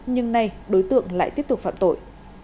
nhưng nay đối tượng lại tiếp tục phạm tội